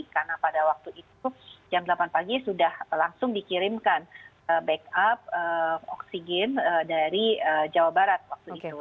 karena pada waktu itu jam delapan pagi sudah langsung dikirimkan backup oksigen dari jawa barat waktu itu